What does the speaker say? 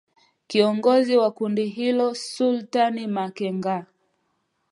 Kiongozi wa kundi hilo Sultani Makenga